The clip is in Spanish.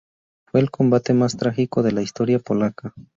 Fue el combate más trágico de la historia polaca.